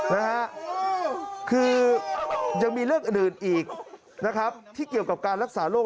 นะฮะคือยังมีเรื่องอื่นอื่นอีกนะครับที่เกี่ยวกับการรักษาโรค